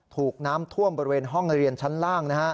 ถูกน้ำท่วมบริเวณห้องเรียนชั้นล่าง